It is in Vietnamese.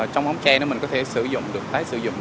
trong ống tre mình có thể sử dụng được tái sử dụng